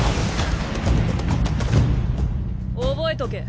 覚えとけ。